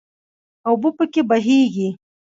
اوبه پکې بهیږي.